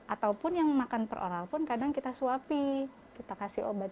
ataupun yang makan per oral pun kadang kita suapi kita kasih obat